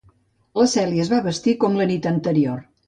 La Cèlia es va vestir com la nit anterior.